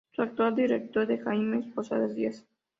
Su actual director es Jaime Posada Díaz.